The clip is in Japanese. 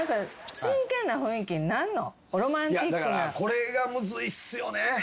これがむずいっすよね。